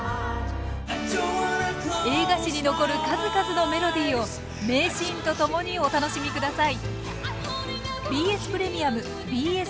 映画史に残る数々のメロディーを名シーンとともにお楽しみください。